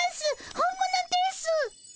本物です。